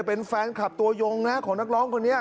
เป็นแฟนคลับตัวยงนะของนักร้องคนนี้